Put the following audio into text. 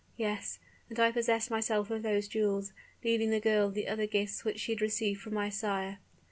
Yes: and I possessed myself of those jewels, leaving the girl the other gifts which she had received from my sire.